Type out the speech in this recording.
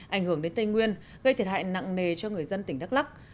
ảnh hưởng đến tây nguyên gây thiệt hại nặng nề cho người dân tỉnh đắk lắc